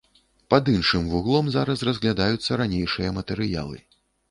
Пад іншым вуглом зараз разглядаюцца ранейшыя матэрыялы.